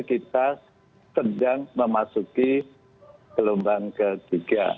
kita sedang memasuki gelombang ketiga